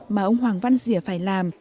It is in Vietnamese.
mà ông hoàng văn dìa phải làm